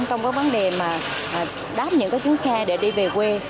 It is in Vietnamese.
trong vấn đề đáp những chuyến xe để đi về quê